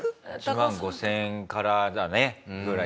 １万５０００円からだねぐらい。